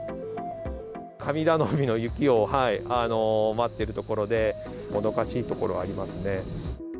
神頼みの雪を待っているところで、もどかしいところありますね。